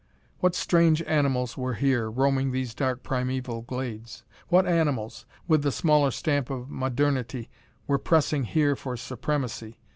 What strange animals were here, roaming these dark primeval glades? What animals, with the smaller stamp of modernity, were pressing here for supremacy?